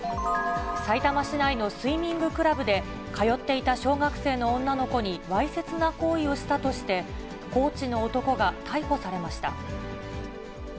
さいたま市内のスイミングクラブで、通っていた小学生の女の子にわいせつな行為をしたとして、コーチの男が逮捕されました。